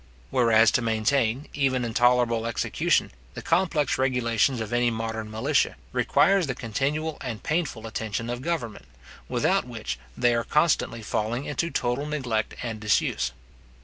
Whereas to maintain, even in tolerable execution, the complex regulations of any modern militia, requires the continual and painful attention of government, without which they are constantly falling into total neglect and disuse.